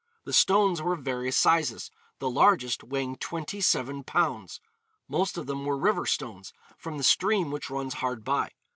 The stones were of various sizes, the largest weighing twenty seven pounds. Most of them were river stones, from the stream which runs hard by.